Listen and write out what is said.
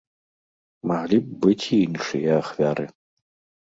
Маглі б быць і іншыя ахвяры.